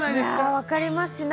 わかります。